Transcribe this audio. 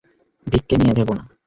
ভিককে নিয়ে ভেবোনা।